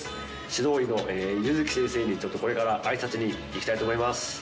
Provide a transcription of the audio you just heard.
指導医の柚木先生にちょっとこれからあいさつに行きたいと思います。